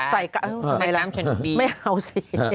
ในร้ำชนดีไม่เอาสิ